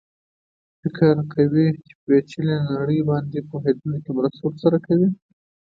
فکر کوي چې پېچلې نړۍ باندې پوهېدلو کې مرسته ورسره کوي.